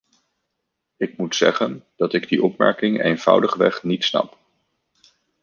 Ik moet zeggen dat ik die opmerking eenvoudigweg niet snap.